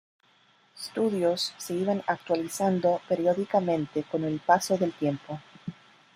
Studios se iban actualizando periódicamente con el paso del tiempo.